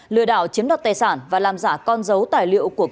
lừa đảo chiếm đọt tài sản và làm giả con dấu tài liệu của cơ quan tổ chức